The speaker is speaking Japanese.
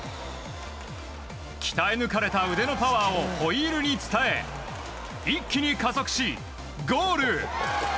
鍛え抜かれた腕のパワーをホイールに伝え一気に加速し、ゴール！